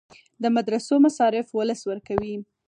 د مدرسو مصارف ولس ورکوي